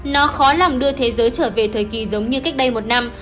nó khó làm đưa thế giới trở về thời kỳ giống như cách đây một năm